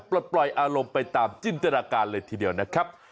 ปลดปล่อยอารมณ์ไปตามจินตนาการเลยทีเดียวนะครับ